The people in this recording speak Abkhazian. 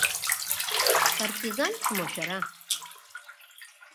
Шәпартизанцәоума, шәара?